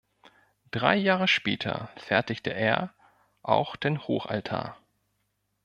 Drei Jahre später fertigte er auch den Hochaltar.